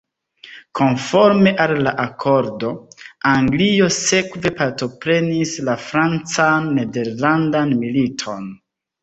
Konforme al la akordo, Anglio sekve partoprenis la Francan-Nederlandan militon.